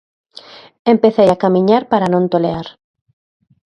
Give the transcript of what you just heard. Empecei a camiñar para non tolear.